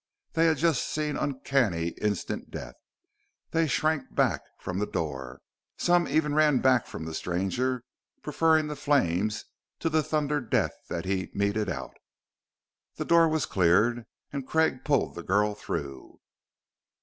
They had just seen uncanny, instant death. They shrank back from the door; some even ran back from the stranger, preferring the flames to the thunder death that he meted out. The doorway was cleared, and Craig pulled the girl through.